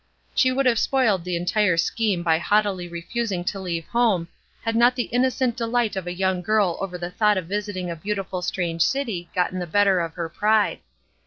She would have spoiled the entire scheme by haughtily refusing to leave home had not the innocent delight of a young girl over the thought of visiting a beautiful strange city gotten the better of her pride.